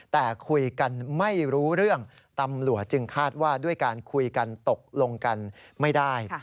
แต่คุยกันไม่รู้เรื่องตำรวจจึงคาดว่าด้วยการคุยกันตกลงกันไม่ได้